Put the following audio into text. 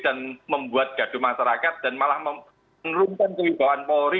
dan membuat gaduh masyarakat dan malah menurunkan kewibawaan polri